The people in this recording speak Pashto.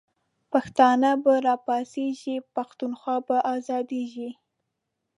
پښتانه به راپاڅیږی، پښتونخوا به آزادیږی